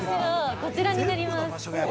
こちらになります。